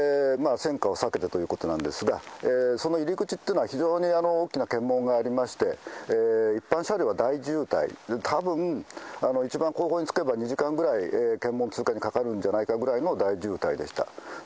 戦火を避けてということなんですが、その入り口っていうのは、非常に大きな検問がありまして、一般車両は大渋滞、たぶん、一番後方につけば、２時間ぐらい、検問通過にかかるんじゃないかぐらいの大渋滞でした。